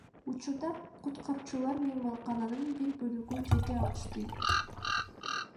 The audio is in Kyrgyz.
Учурда куткаруучулар мейманкананын бир бөлүгүнө жете алышты.